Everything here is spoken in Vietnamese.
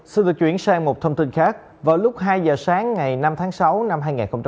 xin được chuyển sang một thông tin khác vào lúc hai giờ sáng ngày năm tháng sáu năm hai nghìn hai mươi ba